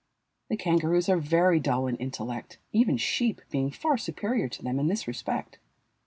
The kangaroos are very dull in intellect, even sheep being far superior to them in this respect.